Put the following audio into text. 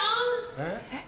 ・えっ？